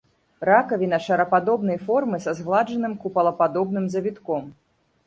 Ракавіна шарападобнай формы са згладжаным купалападобным завітком.